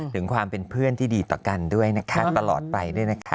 ถึงความเป็นเพื่อนที่ดีต่อกันด้วยนะคะตลอดไปด้วยนะคะ